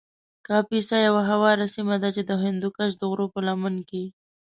کاپیسا یو هواره سیمه ده چې د هندوکش د غرو په لمنو کې